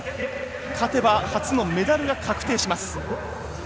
勝てば初のメダルが確定します。